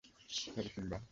Sorry, Simba.